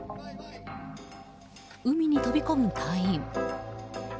海に飛び込む隊員。